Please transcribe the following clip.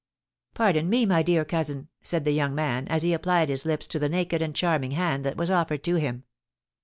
"Pardon me, my dear cousin," said the young man, as he applied his lips to the naked and charming hand that was offered to him.